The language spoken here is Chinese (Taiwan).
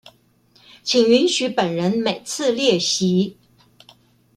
請允許本人每次列席